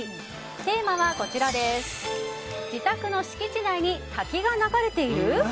テーマは、自宅の敷地内に滝が流れている？